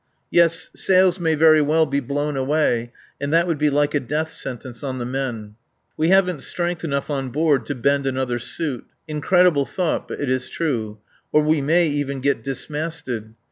Yes, sails may very well be blown away. And that would be like a death sentence on the men. We haven't strength enough on board to bend another suit; incredible thought, but it is true. Or we may even get dismasted.